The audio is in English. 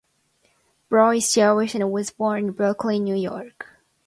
Brown is Jewish, and was born in Brooklyn, New York.